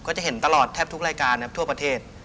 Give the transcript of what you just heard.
จะเห็นตลอดแทบทุกรายการทั่วประเทศ